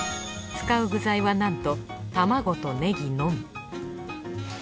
使う具材はなんと卵とネギのみ。